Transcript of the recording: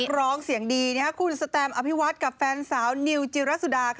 นักร้องเสียงดีคู่แสตมป์อภิวัติกับแฟนสาวนิวจีรัสสุดา